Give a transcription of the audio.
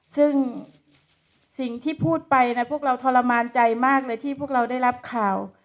ซึ่งสิ่งที่พูดไปนะพวกเราทรมานใจมากเลยที่พวกเราได้รับข่าว